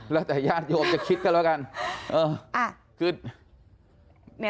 แล้วแต่ญาติโยมจะคิดกันแล้วกัน